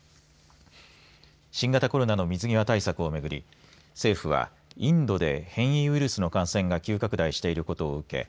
新型コロナの水際対策をめぐり政府はインドで変異ウイルスの感染が急拡大していることを受け